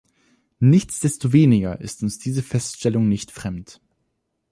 Nichtsdestoweniger ist uns diese Feststellung nicht fremd.